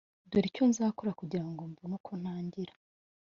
dore icyo nzakora kugira ngo mbone uko ntangira